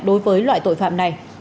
đối với loại tội phạm này